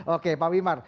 oke pak wiman